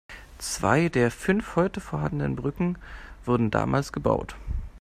Zwei der fünf heute vorhandenen Brücken wurden damals gebaut.